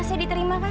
saya diterima kan